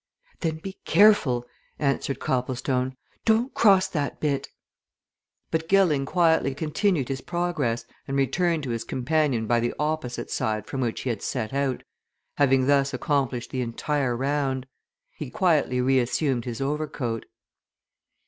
"Then be careful," answered Copplestone. "Don't cross that bit!" But Gilling quietly continued his progress and returned to his companion by the opposite side from which he had set out, having thus accomplished the entire round. He quietly reassumed his overcoat.